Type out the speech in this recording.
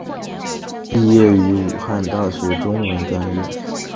毕业于武汉大学中文专业。